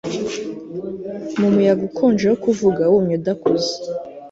Mu muyaga ukonje wo kuvuga wumye udakuze